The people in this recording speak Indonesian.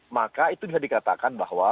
maka itu bisa dikatakan bahwa